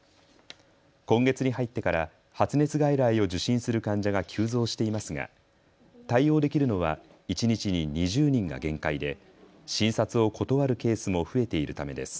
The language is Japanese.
今月に入ってから発熱外来を受診する患者が急増していますが対応できるのは一日に２０人が限界で診察を断るケースも増えているためです。